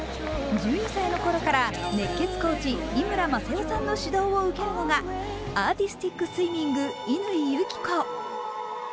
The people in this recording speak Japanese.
１２歳のころから熱血コーチ・井村雅代さんの指導を受けるのがアーティスティックスイミング、乾友紀子。